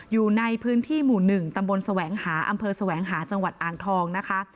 อยู่ในพื้นที่หมู่๑ตำบลแสวงหาอำเภอแสวงหาจังหวัดอ่างทองนะคะ